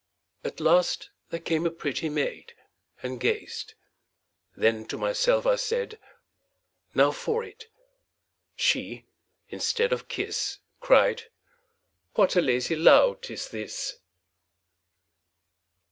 At last there came a pretty maid, And gazed; then to myself I said, 'Now for it!' She, instead of kiss, Cried, 'What a lazy lout is this!'